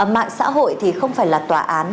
mạng xã hội thì không phải là tòa án